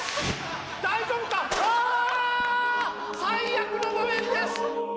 最悪の場面です！